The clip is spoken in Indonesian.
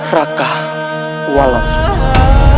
raka walau susu